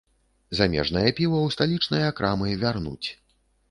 Замежнае піва ў сталічныя крамы вярнуць.